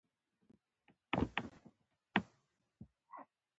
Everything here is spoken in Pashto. ښه چلند د بازار دروازه پرانیزي.